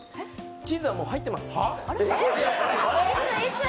チーズはもう、入ってます。